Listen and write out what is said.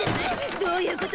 どういうこと？